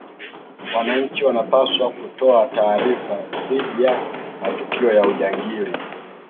Wananchi wanapaswa kutoa taarifa dhidi ya matukio ya ujangili